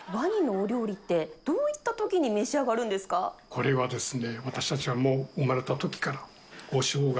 これはですね